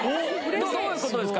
どういうことですか？